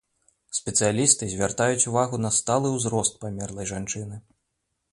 Спецыялісты звяртаюць увагу на сталы ўзрост памерлай жанчыны.